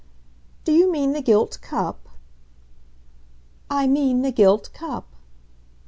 "Do you mean the gilt cup?" "I mean the gilt cup."